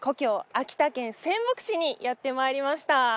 秋田県仙北市にやってまいりました。